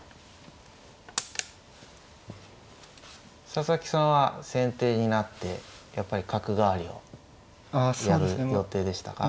佐々木さんは先手になってやっぱり角換わりをやる予定でしたか。